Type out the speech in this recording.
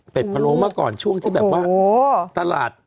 เป็นพะโลเมื่อก่อนช่วงที่แบบว่าตลาด